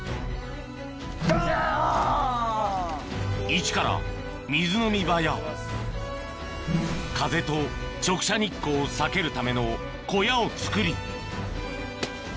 イチから水飲み場や風と直射日光を避けるための小屋を造りＯＫ。